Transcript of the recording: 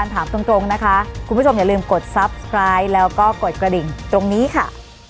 วันนี้สวัสดีค่ะ